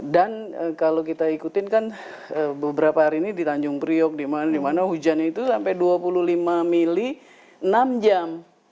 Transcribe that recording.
dan kalau kita ikutin kan beberapa hari ini di tanjung priok di mana hujannya itu sampai dua puluh lima mili enam jam